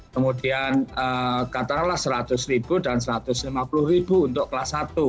kemudian katakanlah seratus ribu dan satu ratus lima puluh ribu untuk kelas satu